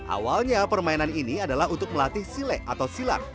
awalnya permainan ini adalah untuk melatih sile atau silak